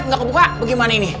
gak buka bagaimana ini